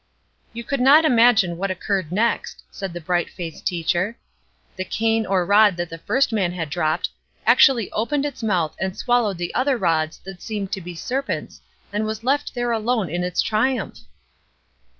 "You could not imagine what occurred next," said the bright faced teacher. "The cane or rod that the first man had dropped, actually opened its mouth and swallowed the other rods that seemed to be serpents, and was left there alone in its triumph!"